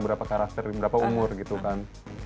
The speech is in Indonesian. berapa karakter berapa umur gitu kan